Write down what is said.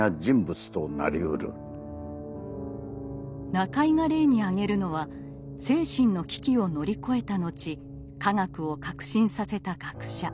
中井が例に挙げるのは精神の危機を乗り越えた後科学を革新させた学者。